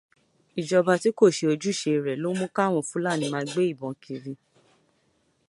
Ìjọba tí kò ṣe ojúṣe rẹ̀ ló mú káwọn Fúlàní máa gbé ìbọn kiri.